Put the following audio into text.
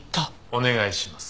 お願いします。